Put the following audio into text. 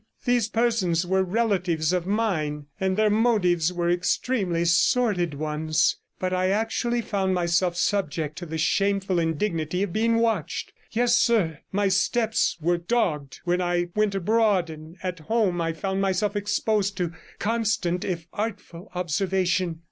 These persons were relatives of mine, and their motives were extremely sordid ones; but I actually found myself subject to the shameful indignity of being watched. Yes, sir, my steps were dogged when I went abroad, and at home I found myself exposed to constant if artful observation.